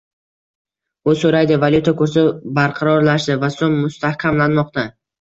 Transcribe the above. U so'raydi: Valyuta kursi barqarorlashdi va so'm mustahkamlanmoqda